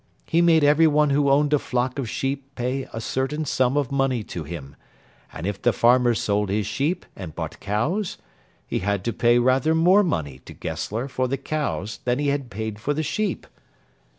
He made everyone who owned a flock of sheep pay a certain sum of money to him; and if the farmer sold his sheep and bought cows, he had to pay rather more money to Gessler for the cows than he had paid for the sheep.